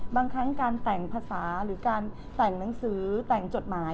บางครั้งการแต่งภาษาหรือการแต่งหนังสือแต่งจดหมาย